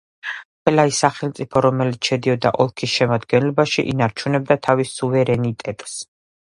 ყველა ის სახელმწიფო, რომელიც შედიოდა ოლქის შემადგენლობაში, ინარჩუნებდა თავის სუვერენიტეტს.